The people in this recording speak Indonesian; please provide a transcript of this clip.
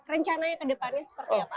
rencananya ke depannya seperti apa